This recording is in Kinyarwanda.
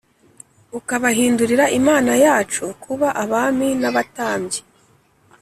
ukabahindurira Imana yacu kuba abami n’abatambyi,